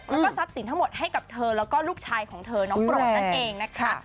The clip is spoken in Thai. แล้วก็ทรัพย์สินทั้งหมดให้กับเธอแล้วก็ลูกชายของเธอน้องโปรดนั่นเองนะคะ